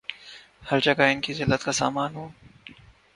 ہر جگہ ان کی زلت کا سامان ہو